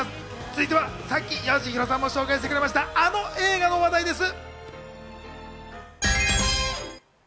続いては、さっきよしひろさんも紹介してくれました、あの映画の話題です。